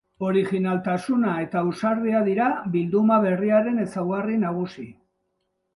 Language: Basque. Originaltasuna eta ausardia dira bilduma berriaren ezaugarri nagusi.